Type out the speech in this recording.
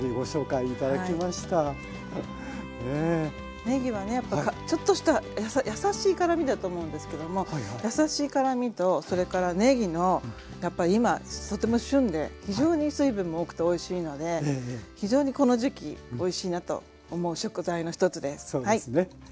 ねぎはねやっぱちょっとした優しい辛みだと思うんですけども優しい辛みとそれからねぎのやっぱ今とても旬で非常に水分も多くておいしいので非常にこの時期おいしいなと思う食材の一つです。